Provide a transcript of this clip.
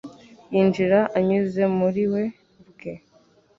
Yinjira anyuze muri we ubwe.